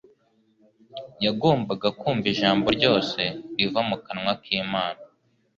Yagombaga kumva ijambo ryose riva mu kanwa k'Imana;